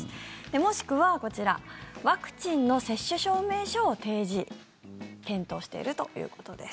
もしくは、こちらワクチンの接種証明書を提示検討しているということです。